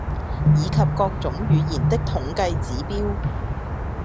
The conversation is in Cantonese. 以及各種語言的統計指標